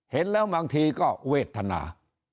เห็นแล้วบางทีก็เวทนา